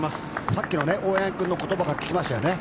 さっきの大八木監督の言葉が効きましたね。